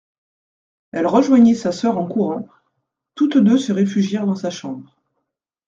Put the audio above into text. Elle rejoignit sa soeur en courant, toutes deux se réfugièrent dans sa chambre.